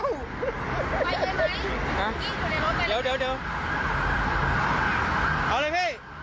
กิน